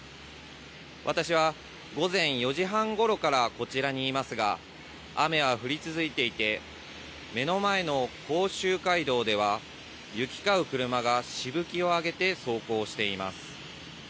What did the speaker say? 私は午前４時半ごろからこちらにいますが、雨は降り続いていて、目の前の甲州街道では、行き交う車がしぶきを上げて走行しています。